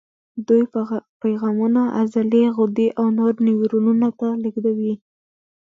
دوی پیغامونه عضلې، غدې او نورو نیورونونو ته لېږدوي.